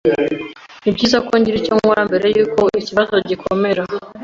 Nibyiza ko ngira icyo nkora mbere yuko ikibazo gikomera.